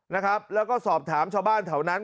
นะครับแล้วก็สอบถามชาวบ้านแถวนั้น